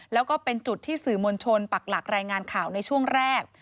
แล้วก็เป็นจุดที่สื่อมวลชนปักหลักรายงานข่าวในช่วงแรก